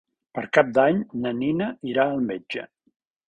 Per Cap d'Any na Nina irà al metge.